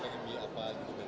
pengen beli apa